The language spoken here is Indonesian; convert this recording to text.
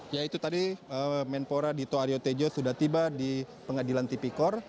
yaitu tadi menpora dito aryo tejo sudah tiba di pengadilan tp core